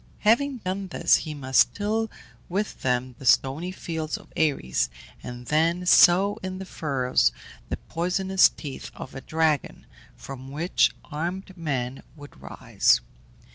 Having done this he must till with them the stony field of Ares, and then sow in the furrows the poisonous teeth of a dragon, from which armed men would arise.